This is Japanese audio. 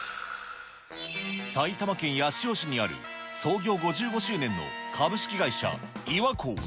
埼玉県八潮市にある、創業５５周年の株式会社イワコー。